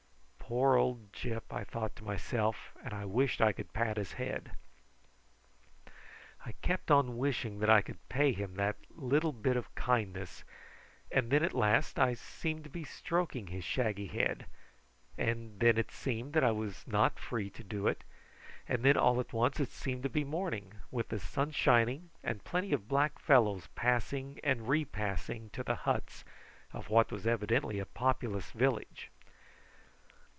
"Poor old Gyp!" I thought to myself, and I wished I could pat his head. I kept on wishing that I could pay him that little bit of kindness; and then at last I seemed to be stroking his shaggy head, and then it seemed that I was not free to do it, and then all at once it seemed to be morning, with the sun shining, and plenty of black fellows passing and repassing to the huts of what was evidently a populous village.